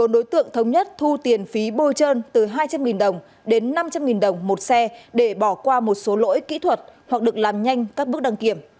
bốn đối tượng thống nhất thu tiền phí bôi trơn từ hai trăm linh đồng đến năm trăm linh đồng một xe để bỏ qua một số lỗi kỹ thuật hoặc được làm nhanh các bước đăng kiểm